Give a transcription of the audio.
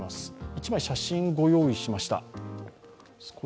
一枚、写真をご用意しました。